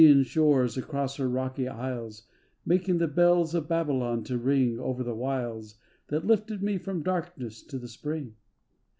n shores across her rocky isles, Making the bells of Babylon to ring Over the wiles That lifted me from darkness to the Spring?